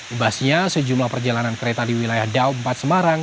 ibasnya sejumlah perjalanan kereta di wilayah daum bat semarang